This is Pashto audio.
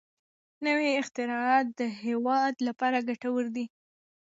نوي اختراعات د هېواد لپاره ګټور دي.